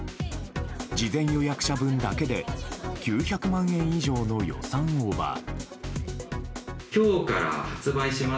事前予約者分だけで９００万円以上の予算オーバー。